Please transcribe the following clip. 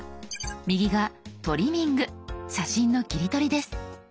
右が「トリミング」写真の切り取りです。